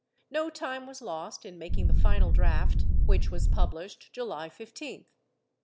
^ No time was lost in making the final draft, which was published July 15th.